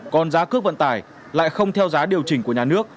còn giá cước vận tải lại không theo giá điều chỉnh của nhà nước